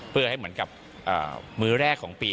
เพื่อให้เหมือนกับมือแรกของปี